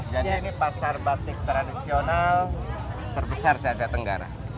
jadi ini pasar batik tradisional terbesar di asia tenggara